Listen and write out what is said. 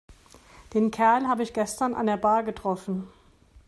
Den Kerl habe ich gestern an der Bar getroffen.